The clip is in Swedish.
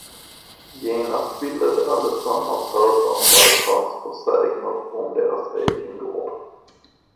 Genast ville de allesammans höra vad det fanns för sägner om deras egen gård.